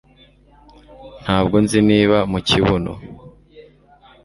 Ntabwo nzi niba mu kibuno